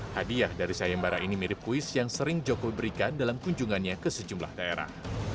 hadiah dari sayembara ini mirip kuis yang sering jokowi berikan dalam kunjungannya ke sejumlah daerah